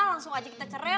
langsung aja kita cerai